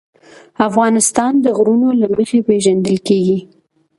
افغانستان د غرونه له مخې پېژندل کېږي.